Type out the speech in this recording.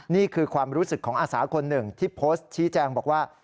นี่คือความรู้สึกของอาสาคนหนึ่งที่โพสต์ชี้แจงบอกว่า